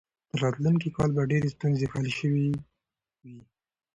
تر راتلونکي کاله به ډېرې ستونزې حل شوې وي.